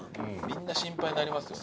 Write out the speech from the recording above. みんな心配になりますよ。